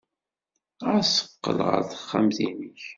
Ɣas qqel ɣer texxamt-nnek.